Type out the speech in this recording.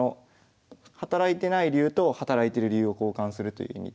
働いてない竜と働いてる竜を交換するという意味で。